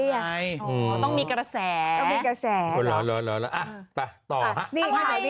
ต้องมีกระแสต์อ๊ะต่อละครับมีอีกขาย